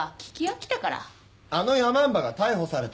あのヤマンバが逮捕された。